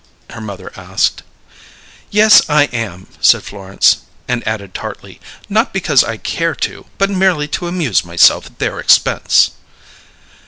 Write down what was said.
her mother asked. "Yes, I am," said Florence; and added tartly, "Not because I care to, but merely to amuse myself at their expense."